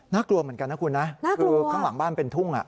กลัวเหมือนกันนะคุณนะคือข้างหลังบ้านเป็นทุ่ง